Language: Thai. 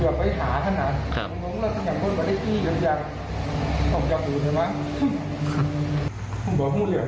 พี่น้องฝนสีหน้ากลัวไม่รู้ได้สิครับ